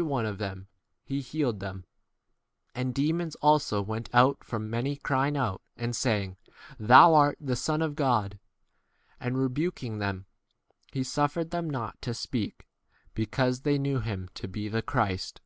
41 one of them he healed them ; and demons also went out from many, crying out and saying, Thou art 1 the Son of God. And rebuking them, he suffered them not to speak, because they knew him to be the Christ.